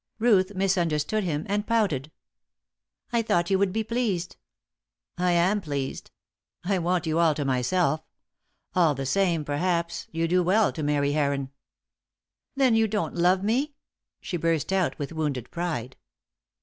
Ruth misunderstood him and pouted. "I thought you would be pleased." "I am pleased. I want you all to myself. All the same, perhaps, you do well to marry Heron." "Then you don't love me?" she burst out, with wounded pride.